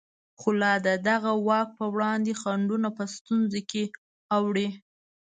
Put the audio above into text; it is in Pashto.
خو لا د دغه واک په وړاندې خنډونه په ستونزو کې اوړي.